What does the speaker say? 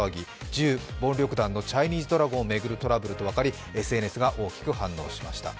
準暴力団のチャイニーズドラゴンを巡るトラブルと分かりＳＮＳが大きく反応しました。